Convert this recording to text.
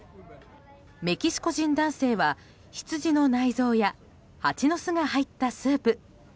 メキシコ人男性はヒツジの内臓やハチの巣が入ったスープ。